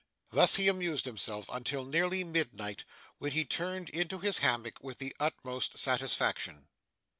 Thus he amused himself until nearly midnight, when he turned into his hammock with the utmost satisfaction.